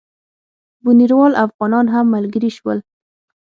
بُنیروال افغانان هم ملګري شول.